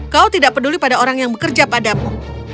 kau tidak peduli pada orang yang bekerja padamu